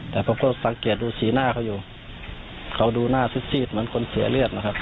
แต่ผมก็สังเกตดูสีหน้าเขาอยู่เขาดูหน้าซีดเหมือนคนเสียเลือดนะครับ